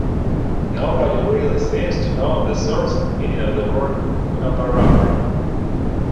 Nobody really seems to know the source and meaning of the word "Coonabarabran".